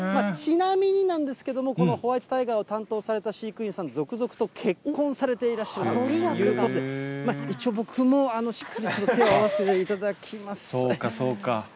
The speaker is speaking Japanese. ちなみになんですけれども、このホワイトタイガーを担当された飼育員さん、続々と結婚されていらっしゃるということで、一応僕も、しっかりそうか、そうか。